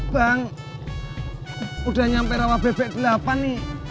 bang udah nyampe rawa bebek delapan nih